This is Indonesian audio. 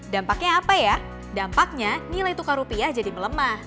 dampaknya apa ya dampaknya nilai tukar rupiah jadi melemah